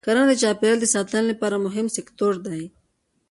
کرنه د چاپېریال د ساتنې لپاره مهم سکتور دی.